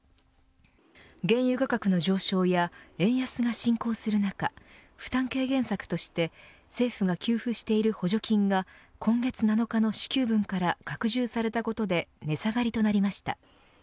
原油価格の上昇や円安が進行する中負担軽減策として政府が給付している補助金が今月７日の支給分から拡充されたことで値下がりとなりました。